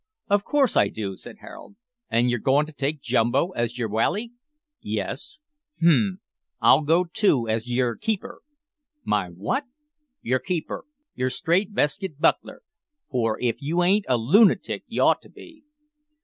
"Of course I do," said Harold. "An' yer goin' to take Jumbo as yer walley?" "Yes." "H'm; I'll go too as yer keeper." "My what?" "Yer keeper yer strait veskit buckler, for if you ain't a loonatic ye ought to be."